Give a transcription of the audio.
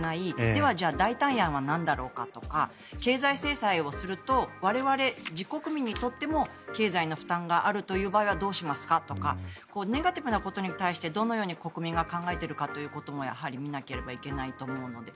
では、じゃあ代替案はなんだろうかとか経済制裁をすると我々自国民にとっても経済の負担がある場合はどうしますかとかネガティブなことに対してどのように国民が考えているかということもやはり見なければいけないと思うので。